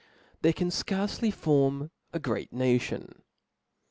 They can fcarcely form a great nation.